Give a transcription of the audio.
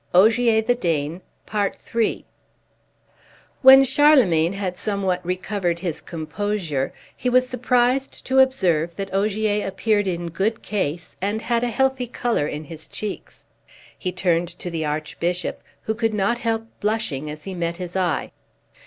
OGIER, THE DANE (Continued) WHEN Charlemagne had somewhat recovered his composure he was surprised to observe that Ogier appeared in good case, and had a healthy color in his cheeks. He turned to the Archbishop, who could not help blushing as he met his eye.